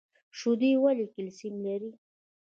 شیدې ولې کلسیم لري؟